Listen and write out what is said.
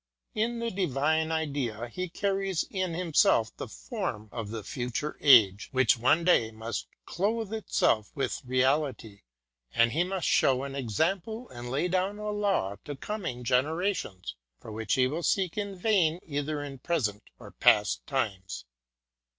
In the Divine Idea he car ries in himself the form of the future age, which one day must clothe itself with reality; and he must show an exam ple and lay down a law to coming generations, for which he will seek in vain either in present or past times.